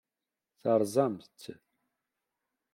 Terẓamt-tt.